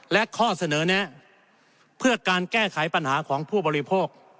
และข้อเสนอแนะเพื่อการแก้ไขปัญหาของผู้บริโภค